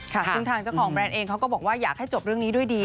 ซึ่งทางเจ้าของแบรนด์เองเขาก็บอกว่าอยากให้จบเรื่องนี้ด้วยดี